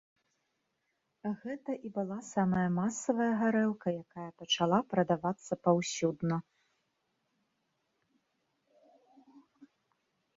Гэта і была самая масавая гарэлка, якая пачала прадавацца паўсюдна.